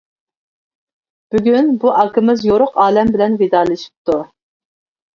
بۈگۈن بۇ ئاكىمىز يورۇق ئالەم بىلەن ۋىدالىشىپتۇ.